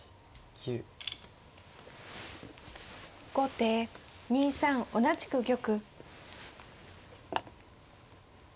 後手２三同じく玉。